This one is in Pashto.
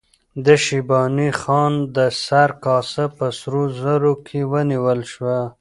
د شیباني خان د سر کاسه په سرو زرو کې ونیول شوه.